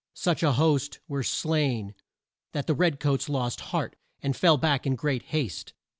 Such a host were slain that the red coats lost heart, and fell back in great haste.